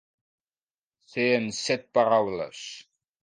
Ser en Set paraules.